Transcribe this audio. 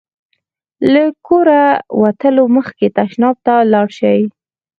له کوره وتلو مخکې تشناب ته ولاړ شئ.